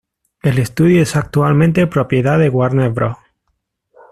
El estudio es actualmente propiedad de Warner Bros..